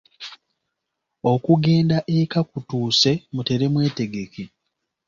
Okugenda eka kutuuse mutere mwetegeke.